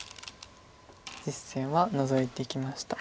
実戦はノゾいていきました。